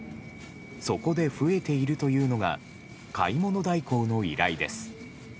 そこで増えているというのが買い物代行の依頼です。